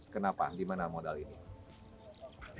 kenapa dimana modal ini